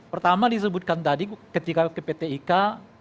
pertama disebutkan tadi ketika ke pt ika